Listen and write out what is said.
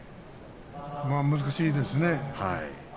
難しいですね。